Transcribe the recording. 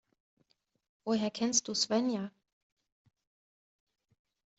Woher kennst du Svenja?